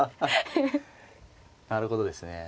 なるほどですね。